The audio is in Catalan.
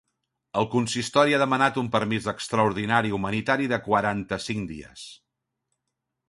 El consistori ha demanat un permís extraordinari humanitari de quaranta-cinc dies.